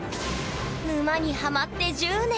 沼にハマって１０年。